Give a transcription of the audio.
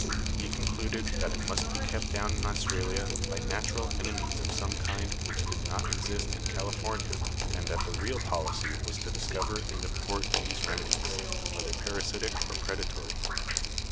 He concluded that it must be kept down in Aus tralia by natural enemies of some kind which did not exist FACTORS OF EVOLUTION— SELECTION 191 in California and that the real policy was to discover and import these remedies, whether parasitic or predatory.